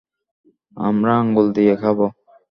আমরা আঙ্গুল দিয়ে খাব।